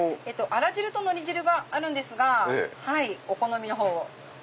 あら汁とのり汁があるんですがお好みの方を。